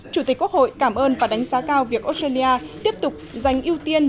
chủ tịch quốc hội cảm ơn và đánh giá cao việc australia tiếp tục dành ưu tiên